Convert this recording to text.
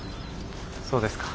そうですか。